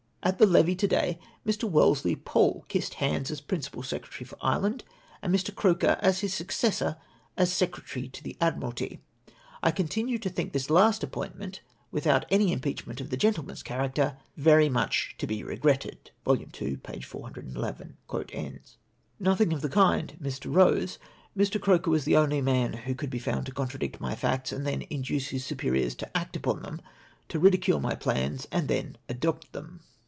... At the Levee to day, Mr. Wellesley Pole kissed hands as principal Secretary for Ireland, and Mr. Croker as his successor as Secretary to the Admiralty. / continue to think this last ajjpohitment, without any im peachment of the gentlemarCs character, very much to be REGRETTED." (Vol. ii. p. 411.) Nothing of the kind, Mr. Rose, Mr, Croker was the only man who could be found to contradict my facts, and then induce his superiors to act upon them — to ridicule my plans, and then adopt them.